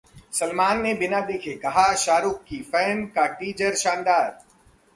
सलमान ने बिना देखे कहा, शाहरुख की 'फैन' का टीजर शानदार